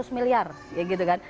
lima ratus miliar ya gitu kan